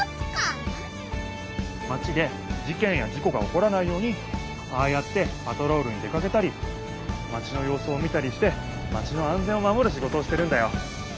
マチでじけんやじこがおこらないようにああやってパトロールに出かけたりマチのようすを見たりしてマチのあんぜんをまもるシゴトをしてるんだよ。